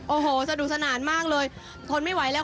โอ้โหสนุกสนานมากเลยทนไม่ไหวแล้ว